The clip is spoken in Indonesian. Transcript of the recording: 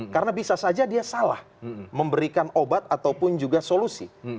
karena bisa saja dia salah memberikan obat ataupun juga solusi